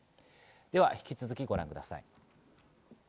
では引き続きご覧ください。